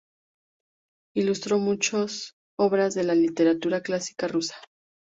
Ilustró muchas obras de la literatura clásica rusa.